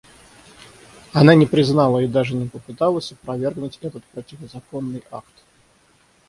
Она не признала и даже не попыталась опровергнуть этот противозаконный акт.